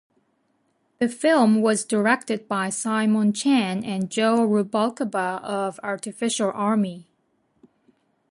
The film was directed by Simon Chan and Joe Rubalcaba of Artificial Army.